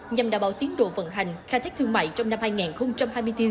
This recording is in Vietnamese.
nhằm đảm bảo tiến độ vận hành khai thác thương mại trong năm hai nghìn hai mươi bốn